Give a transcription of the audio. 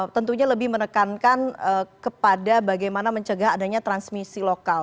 tentunya lebih menekankan kepada bagaimana mencegah adanya transmisi lokal